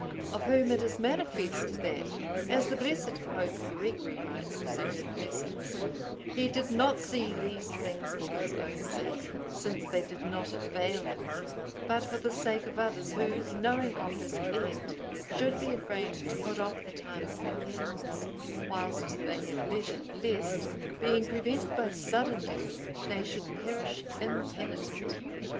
Of whom it is manifest, that (as the blessed Pope Gregory writes of certain persons) he did not see these things for his own sake, since they did not avail him, but for the sake of others, who, knowing of his end, should be afraid to put off the time of repentance, whilst they have leisure, lest, being prevented by sudden death, they should perish impenitent.